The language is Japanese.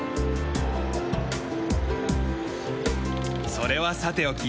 それはさておき